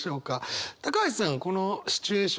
橋さんこのシチュエーション